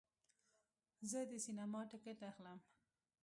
زه د سینما ټکټ اخلم.